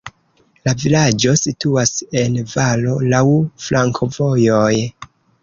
La vilaĝo situas en valo, laŭ flankovojoj.